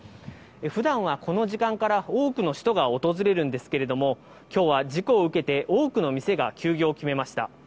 ふだんはこの時間から、多くの人が訪れるんですけれども、きょうは事故を受けて、多くの店が休業を決めました。